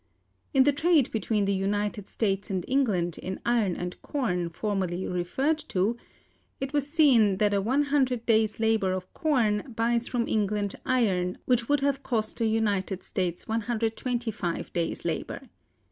In the trade between the United States and England in iron and corn, formerly referred to (p. 383), it was seen that a 100 days' labor of corn buys from England iron which would have cost the United States 125 days' labor.